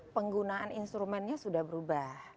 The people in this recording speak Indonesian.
penggunaan instrumennya sudah berubah